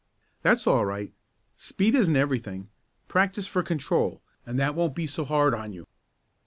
"That's all right. Speed isn't everything. Practice for control, and that won't be so hard on you."